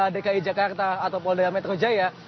melalui wakil kepala polda dki jakarta atau polda metro jaya